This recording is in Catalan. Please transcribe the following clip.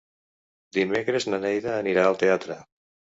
Dimecres na Neida anirà al teatre.